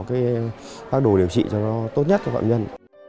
các đồ điều trị cho nó tốt nhất cho phạm nhân